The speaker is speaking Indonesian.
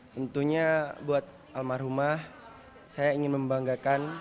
tentunya buat almarhumah saya ingin membanggakan